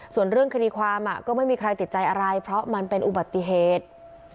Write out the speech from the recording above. ส่วนเรื่องคดีความก็ไม่มีใครติดใจอะไรเพราะมันเป็นอุบัติเหตุ